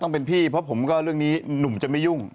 ต้องเป็นพี่เพราะผมก็เรื่องนี้หนุ่มจะไม่ยุ่ง